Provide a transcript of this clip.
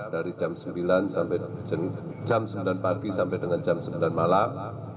dari jam sembilan pagi sampai dengan jam sembilan malam